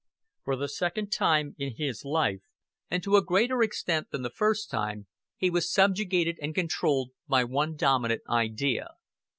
For the second time in his life, and to a greater extent than the first time, he was subjugated and controlled by one dominant idea.